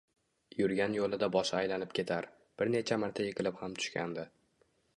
Yurgan yo`lida boshi aylanib ketar, bir necha marta yiqilib ham tushgandi